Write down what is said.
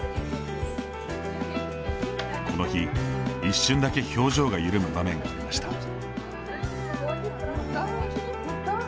この日、一瞬だけ表情が緩む場面がありました。